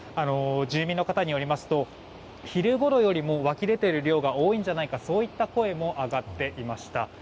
住民の方によりますと昼ごろよりも湧き出ている量が多いんじゃないかそういった声も上がっていました。